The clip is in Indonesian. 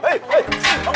nanti ke mana